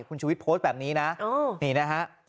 คุณชุวิตโพสต์แบบนี้นะนี่นะฮะ